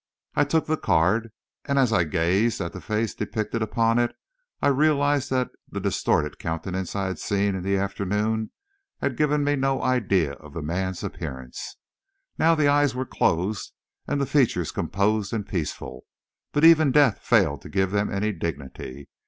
I took the card, and, as I gazed at the face depicted upon it, I realised that the distorted countenance I had seen in the afternoon had given me no idea of the man's appearance. Now the eyes were closed and the features composed and peaceful, but even death failed to give them any dignity.